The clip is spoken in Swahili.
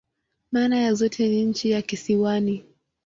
Maana ya zote ni "nchi ya kisiwani.